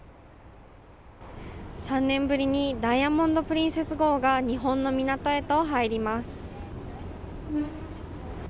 ３年ぶりにダイヤモンド・プリンセス号が日本の港へと入ります。